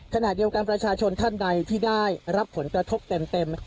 ขณะเดียวกันประชาชนท่านใดที่ได้รับผลกระทบเต็ม